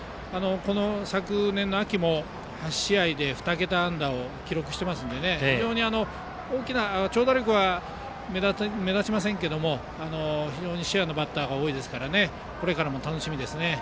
昨年の秋も８試合で２桁安打を記録していますので非常に長打力は目立ちませんが非常にシュアなバッターが多いですからこれからも楽しみですね。